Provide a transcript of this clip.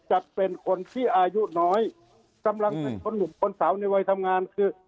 จะเป็นคนที่อายุน้อยกำลังเป็นคนหนุ่มคนสาวในวัยทำงานคือ